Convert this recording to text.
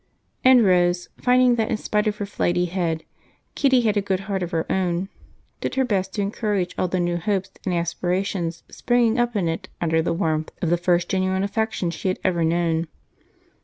And Rose, finding that, in spite of her flighty head, Kitty had a good heart of her own, did her best to encourage all the new hopes and aspirations springing up in it under the warmth of the first genuine affection she had ever known.